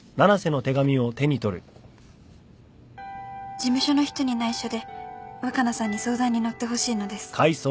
「事務所の人に内緒で若菜さんに相談に乗ってほしいのです」